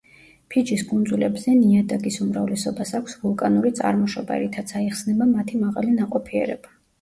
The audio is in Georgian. ფიჯის კუნძულებზე ნიადაგის უმრავლესობას აქვს ვულკანური წარმოშობა, რითაც აიხსნება მათი მაღალი ნაყოფიერება.